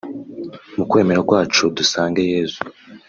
mu kwemera kwacu dusange Yezu